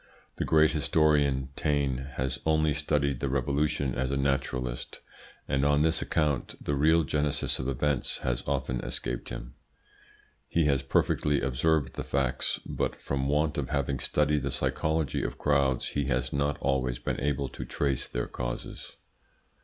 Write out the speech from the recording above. The great historian Taine has only studied the Revolution as a naturalist, and on this account the real genesis of events has often escaped him. He has perfectly observed the facts, but from want of having studied the psychology of crowds he has not always been able to trace their causes.